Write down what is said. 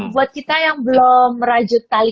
buat kita yang belum merajut tali